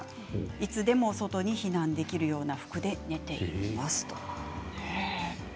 いつでも外に避難できるような服で寝ています。